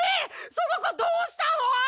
その子どうしたの？